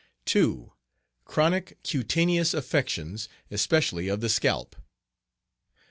2. Chronic cutaneous affections, especially of the scalp. 3.